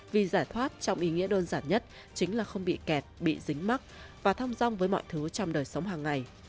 vì giải thoát trong ý nghĩa đơn giản nhất chính là không bị kẹt bị dính mắt và thong rong với mọi thứ trong đời sống hàng ngày